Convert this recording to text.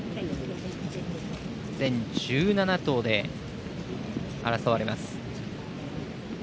全１７頭で争われます。